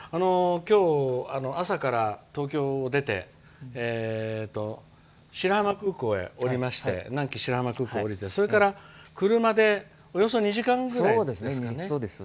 今日、朝から東京を出て南紀白浜空港へ降りましてそれから車でおよそ２時間ぐらいですね。